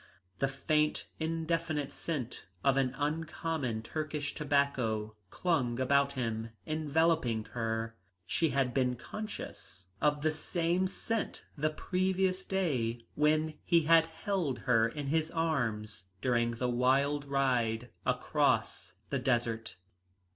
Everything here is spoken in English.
The faint indefinite scent of an uncommon Turkish tobacco clung about him, enveloping her. She had been conscious of the same scent the previous day when he had held her in his arms during the wild ride across the desert.